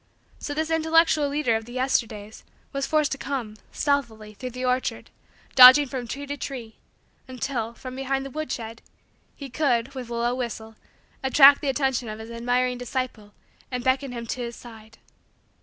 So this intellectual leader of the Yesterdays was forced to come, stealthily, through the orchard, dodging from tree to tree, until, from behind the woodshed, he could, with a low whistle, attract the attention of his admiring disciple and beckon him to his side.